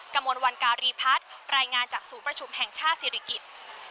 กระมวลวันการีพัฒน์รายงานจากศูนย์ประชุมแห่งชาติศิริกิจ